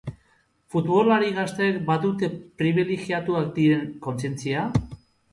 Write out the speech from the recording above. Futbolari gazteek badute pribilegiatuak diren kontzientzia?